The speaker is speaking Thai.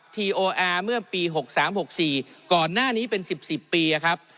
ทีโอแอร์เมื่อปี๖๓๖๔ก่อนหน้านี้เป็น๑๐๑๐ปีครับ